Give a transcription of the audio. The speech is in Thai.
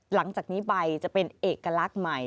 หลังจากนี้ใบจะเป็นเอกลักษณ์ใหม่